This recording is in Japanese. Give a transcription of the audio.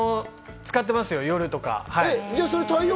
使ってますよ、夜とか。